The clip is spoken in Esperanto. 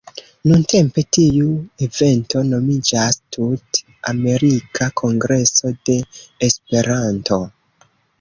Nuntempe tiu evento nomiĝas "Tut-Amerika Kongreso de Esperanto".